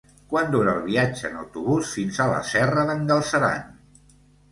Quant dura el viatge en autobús fins a la Serra d'en Galceran?